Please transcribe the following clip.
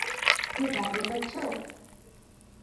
তুমি বাইরে যাচ্ছ?